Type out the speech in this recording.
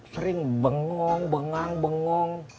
sering bengong bengang bengong